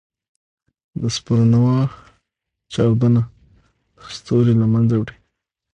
د سپرنووا چاودنه ستوری له منځه وړي.